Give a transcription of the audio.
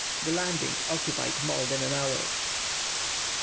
The landing occupied more than an hour.